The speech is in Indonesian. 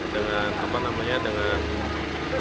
dengan apa namanya dengan